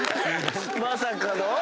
まさかの。